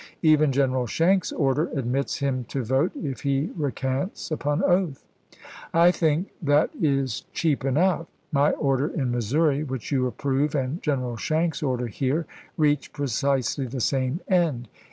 Even General Schenck's order admits him to vote, if he recants upon oath. I think that is cheap enough. My order in Missouri, which you approve, and General Schenck's order here, reach precisely the same end.